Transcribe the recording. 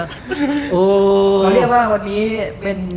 เขาเรียกว่าวันนี้เป็น